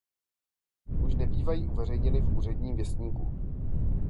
Už nebývají uveřejněny v Úředním věstníku.